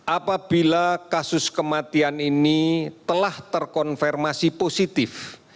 apabila kasus kematian ini telah terkonfirmasi positif